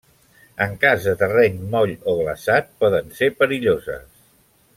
En cas de terreny moll o glaçat poden ser perilloses.